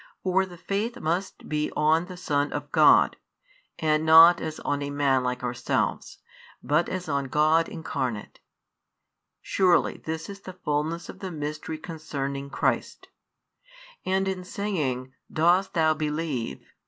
For the faith [must be] on the Son of |55 God, and not as on a man like ourselves, but as on God Incarnate. Surely this is the fulness of the mystery concerning Christ. And in saying: Dost thou believe?